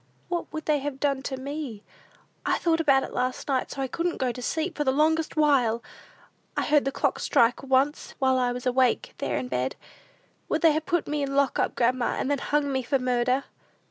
What would they have done to me? I thought about it last night, so I couldn't go to sleep for the longest while! I heard the clock strike once while I was awake there in bed! Would they have put me in the lock up, grandma, and then hung me for murder?"